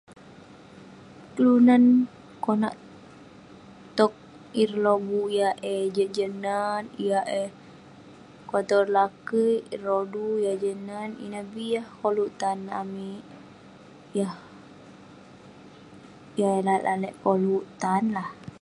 Kelunan konak tog ireh lobuk yah eh jiak jiak nat. Yah eh konak tog ireh lakeik, ireh rodu yah jiak nat, ineh bi yah koluk amik. Yah eh lalek lalek koluk tan lah.